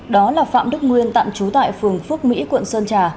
đó là phạm đức nguyên tạm trú tại phường phước mỹ quận sơn trà